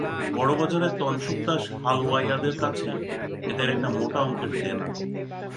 বড়োবাজারের তনসুকদাস হালওয়াইদের কাছে এদের একটা মোটা অঙ্কের দেনা।